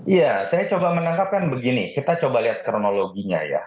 ya saya coba menangkapkan begini kita coba lihat kronologinya ya